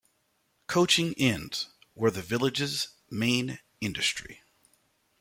Coaching inns were the village's main industry.